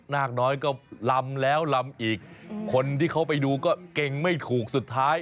นาคน้อยก็ลำแล้วลำอีกคนที่เขาไปดูก็เก่งไม่ถูกสุดท้าย